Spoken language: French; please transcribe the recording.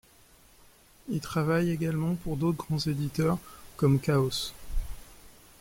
Il travaille également pour d'autres grands éditeurs comme Chaos!